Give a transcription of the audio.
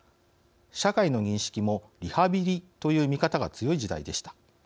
社会の認識もリハビリという見方が強い時代でした。